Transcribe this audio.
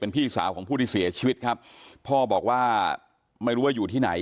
พี่สาวของผู้ที่เสียชีวิตครับพ่อบอกว่าไม่รู้ว่าอยู่ที่ไหน